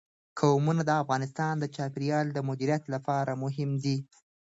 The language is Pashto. قومونه د افغانستان د چاپیریال د مدیریت لپاره مهم دي.